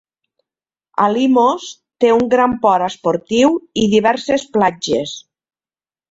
Alimos té un gran port esportiu i diverses platges.